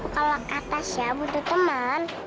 kalau kak tasya butuh teman